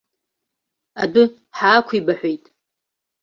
Адәы ҳаақәибаҳәеит.